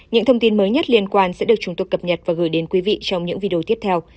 những thông tin mới nhất liên quan sẽ được chúng tôi cập nhật và gửi đến quý vị trong những video tiếp theo